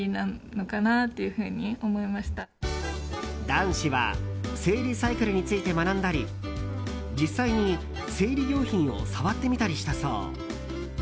男子は生理サイクルについて学んだり実際に生理用品を触ってみたりしたそう。